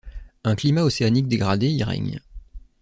Un climat océanique dégradé y règne.